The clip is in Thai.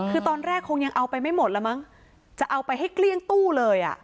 คือตอนแรกคงยังเอาไปไม่หมดแล้วมั้งจะเอาไปให้เกลี้ยงตู้เลยอ่ะ